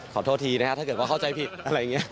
ขอโทษทีนะครับถ้าเกิดว่าเข้าใจผิดอะไรอย่างนี้